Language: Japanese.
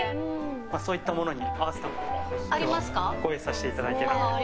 そういったものに合わせたものもご用意させていただいてるので。